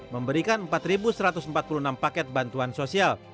memberikan empat satu ratus empat puluh enam paket bantuan sosial